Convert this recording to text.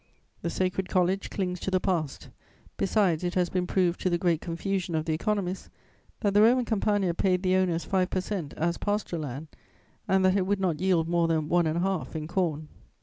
The Sacred College clings to the past; besides, it has been proved, to the great confusion of the economists, that the Roman Campagna paid the owners five per cent, as pasture land and that it would not yield more than one and a half in corn.